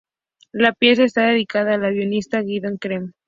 La pieza está dedicada al violinista Gidon Kremer.